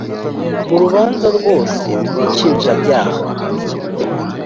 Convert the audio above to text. mu rubanza rwose rw inshinjabyaha